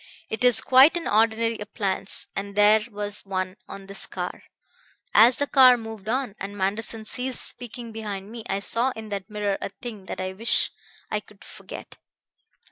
It is quite an ordinary appliance, and there was one on this car. As the car moved on, and Manderson ceased speaking behind me, I saw in that mirror a thing that I wish I could forget."